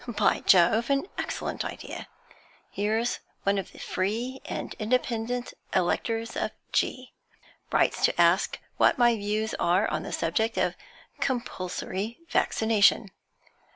'By Jove! an excellent idea. Here's one of the free and independent electors of G writes to ask what my views are on the subject of compulsory vaccination.